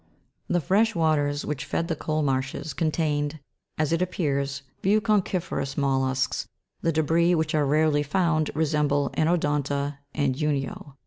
195 The fresh waters which fed the coal marshes contained, as it appears, few conchi'ferous mollusks ; the debris, which are rarely found, resemble anodonta and unio'.